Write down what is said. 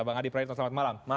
bang adi praitno selamat malam